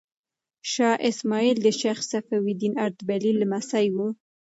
شاه اسماعیل د شیخ صفي الدین اردبیلي لمسی و.